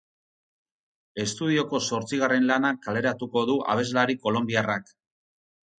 Estudioko zortzigarren lana kaleratuko du abeslari kolonbiarrak.